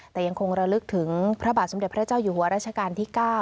แต่ยังคงระลึกถึงพระบาทสมเด็จพระเจ้าอยู่หัวรัชกาลที่๙